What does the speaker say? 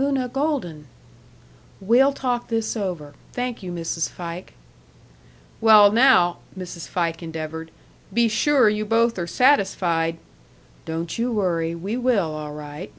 "Una Golden." "We'll talk this over.... Thank you, Mrs. Fike." "Well, now," Mrs. Fike endeavored, "be sure you both are satisfied " "Don't you worry! We will, all right!"